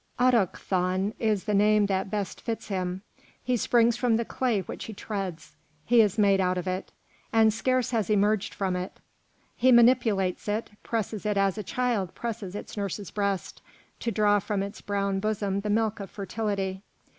Autochthone is the name that best fits him; he springs from the clay which he treads, he is made out of it, and scarce has emerged from it. He manipulates it, presses it as a child presses its nurse's breast, to draw from its brown bosom the milk of fertility.